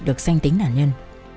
được sanh tính nạn nhân